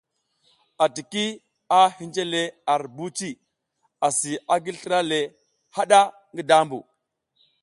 ATIKI a hinje le ar buci, asi a gi slra le haɗa ngi dambu.